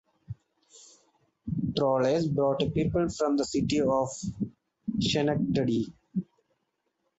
Trolleys brought people from the city of Schenectady.